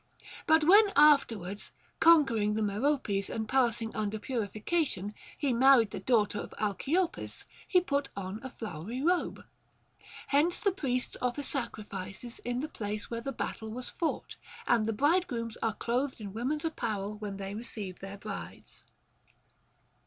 But when afterwards, conquering the Meropes and passing under purification, he married the daughter of Alciopus, he put on a flowery robe. Hence the priests offer sacrifices in the place where the battle was fought, and the bridegrooms are clothed in women's apparel when they receive their brides.